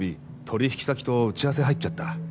取引先と打ち合わせ入っちゃった」。